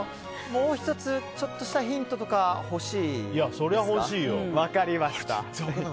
もう１つちょっとしたヒントとか欲しいですか？